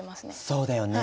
そうだよね。